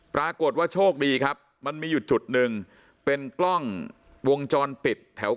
ปรากฏว่าโชคดีครับมันมีอยู่จุดหนึ่งเป็นกล้องวงจรปิดแถว